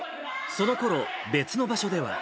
そのころ、別の場所では。